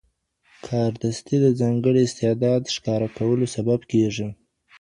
کاردستي د ځانګړي استعداد ښکاره کولو سبب کېږي.